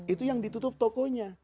itu yang ditutup tokonya